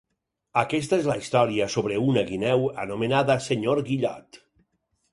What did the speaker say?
Aquesta és la història sobre una guineu anomenada senyor Guillot.